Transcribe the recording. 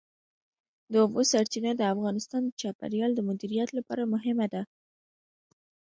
د اوبو سرچینې د افغانستان د چاپیریال د مدیریت لپاره مهم دي.